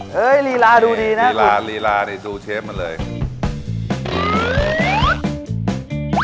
เฮ้ยรีลารูดีนะครับพี่ดูเชฟมันเลยระอุก